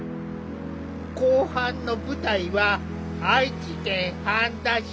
後半の舞台は愛知県半田市。